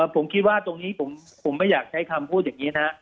ผมคิดว่าตรงนี้ผมไม่อยากใช้คำพูดอย่างนี้นะ